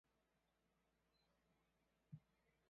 兰氏华溪蟹为溪蟹科华溪蟹属的动物。